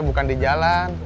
bukan di jalan